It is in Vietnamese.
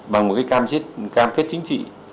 bằng một cam kết chính trị